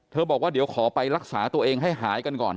บอกว่าเดี๋ยวขอไปรักษาตัวเองให้หายกันก่อน